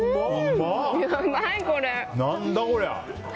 何だこれ。